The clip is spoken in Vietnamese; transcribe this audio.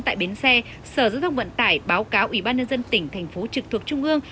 tại bến xe sở giao thông vận tải báo cáo ủy ban nhân dân tỉnh thành phố trực thuộc trung ương